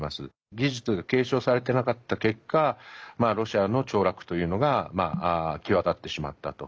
技術が継承されていなかった結果ロシアのちょう落というのが際立ってしまったと。